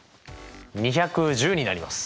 ２１０になります。